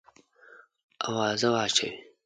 آوازه واچوې.